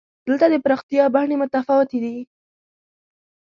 دلته د پراختیا بڼې متفاوتې دي.